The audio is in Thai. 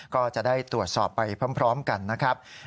ก็จะได้ตรวจสอบไปพร้อมกันนะครับ